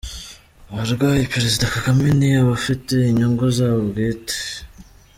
Abarwanya Perezida Kagame ni abafite inyungu zabo bwite